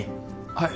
はい。